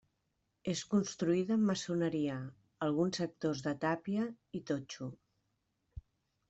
És construïda amb maçoneria, alguns sectors de tàpia i totxo.